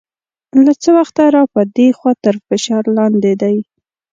له څه وخته را په دې خوا تر فشار لاندې دی.